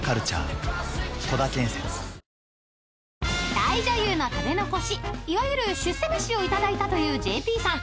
［大女優の食べ残しいわゆる出世メシをいただいたというＪＰさん。